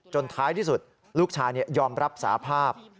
ท้ายที่สุดลูกชายยอมรับสาภาพ